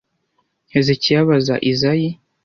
Hezekiya abaza Izayi